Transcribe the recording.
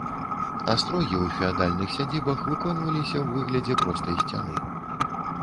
Астрогі ў феадальных сядзібах выконваліся ў выглядзе простай сцяны.